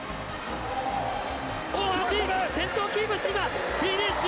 大橋、先頭をキープして今、フィニッシュ！